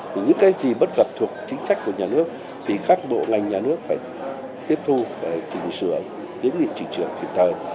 những cái gì bất cập thuộc chính sách của nhà nước thì các bộ ngành nhà nước phải tiếp thu phải chỉnh sửa tiến nghiệm chỉnh sửa kịp thời